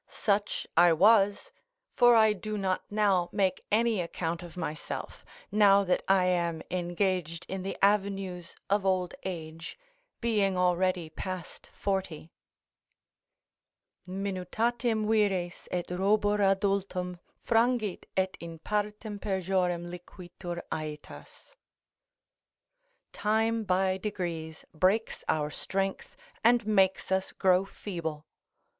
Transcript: Such I was, for I do not now make any account of myself, now that I am engaged in the avenues of old age, being already past forty: "Minutatim vires et robur adultum Frangit, et in partem pejorem liquitur aetas:" ["Time by degrees breaks our strength and makes us grow feeble.